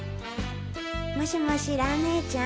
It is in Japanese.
もしもし蘭ねえちゃん？